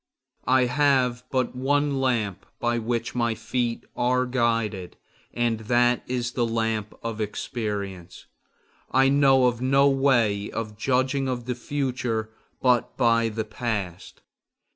I have but one lamp by which my feet are guided, and that is the lamp of experience. I know of no way of judging of the future but by the past.